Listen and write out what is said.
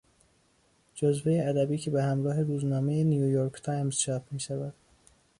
جزوهی ادبی که به همراه روزنامهی نیویورک تایمز چاپ میشود